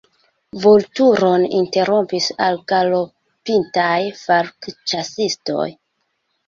Vulturon interrompis algalopintaj falkĉasistoj.